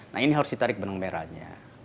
nah ini harus ditarik benung merahnya